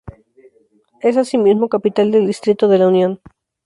Es asimismo capital del distrito de La Unión.